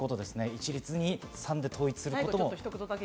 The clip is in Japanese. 一律に「さん」で統一することも。